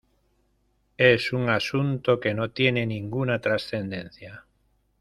Es un asunto que no tiene ninguna trascendencia.